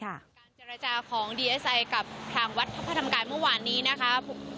การเจรจาของดีเอสไอกับทางวัดพระธรรมกายเมื่อวานนี้นะคะ